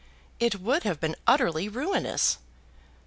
"It would have been utterly ruinous."